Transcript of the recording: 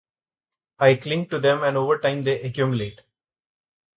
I cling to them and over time they accumulate.